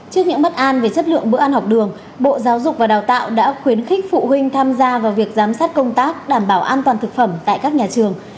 trước những bất an về chất lượng bữa ăn học đường bộ giáo dục và đào tạo đã khuyến khích phụ huynh tham gia vào việc giám sát công tác đảm bảo an toàn thực phẩm tại các nhà trường